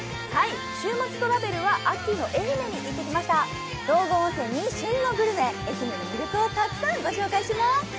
「週末トラベル」は秋の愛媛に行ってきました道後温泉に旬のグルメ、愛媛の魅力をたくさんご紹介します。